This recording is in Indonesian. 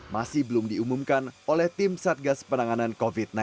masih belum diumumkan oleh tim satgas penanganan covid sembilan belas